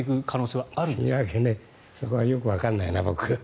そこは僕はわからないな。